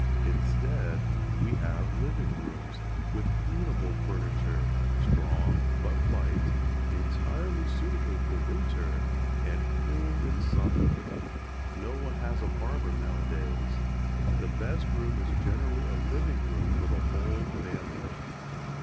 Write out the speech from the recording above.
Instead we have living rooms, with cleanable furniture, strong but light, entirely suitable for winter, and cool in summer. No one has a parlor now a days. The best room is generally a living room for the whole family.